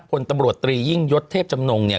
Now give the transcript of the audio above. พลตำรวจตรียิ่งยศเทพจำนงเนี่ย